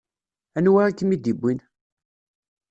Anwa i kem-id-iwwin?